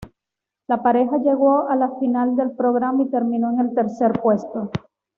La pareja llegó a la final del programa y terminó en el tercer puesto.